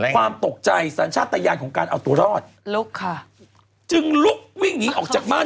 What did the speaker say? ความตกใจสัญชาติตะยานของการเอาตัวรอดลุกค่ะจึงลุกวิ่งหนีออกจากบ้าน